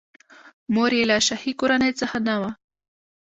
مور یې له شاهي کورنۍ څخه نه وه.